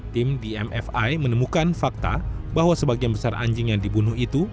tim dmfi menemukan fakta bahwa sebagian besar anjing yang dibunuh itu